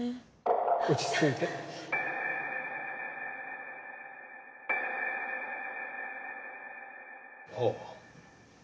落ち着いてはあ。